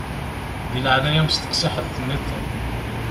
Di leɛnaya-m steqsi ḥedd-nniḍen.